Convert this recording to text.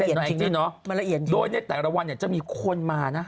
แต่มันละเอียดจริงเนอะแองจิโดยในแต่ละวันจะมีคนมานะ